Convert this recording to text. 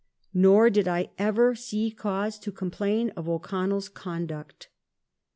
Nor did I ever see cause to com plain of O'Connell 's conduct."